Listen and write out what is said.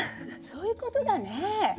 そういうことだねえ。